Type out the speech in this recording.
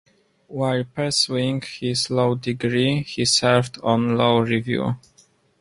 While pursuing his law degree he served on Law Review.